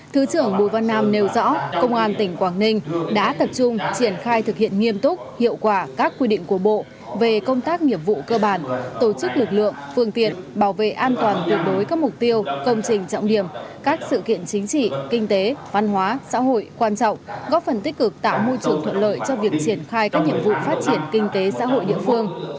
thứ trưởng bùi văn nam nêu rõ công an tỉnh quảng ninh đã tập trung triển khai thực hiện nghiêm túc hiệu quả các quy định của bộ về công tác nghiệp vụ cơ bản tổ chức lực lượng phương tiện bảo vệ an toàn đối với các mục tiêu công trình trọng điểm các sự kiện chính trị kinh tế văn hóa xã hội quan trọng góp phần tích cực tạo môi trường thuận lợi cho việc triển khai các nhiệm vụ phát triển kinh tế xã hội địa phương